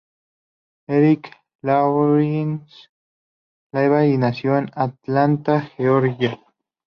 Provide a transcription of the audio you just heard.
Eric Lawrence Lively nació en Atlanta, Georgia.